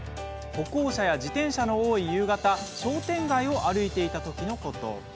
歩行者や自転車の多い夕方商店街を歩いていた時のこと。